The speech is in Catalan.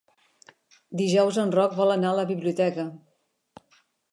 Dijous en Roc vol anar a la biblioteca.